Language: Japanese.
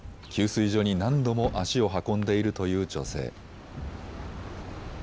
給水所に何度も足を運んでいるという女性。